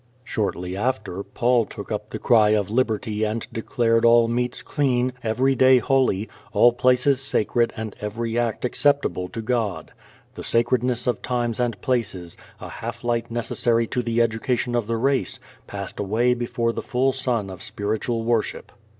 Shortly after, Paul took up the cry of liberty and declared all meats clean, every day holy, all places sacred and every act acceptable to God. The sacredness of times and places, a half light necessary to the education of the race, passed away before the full sun of spiritual worship.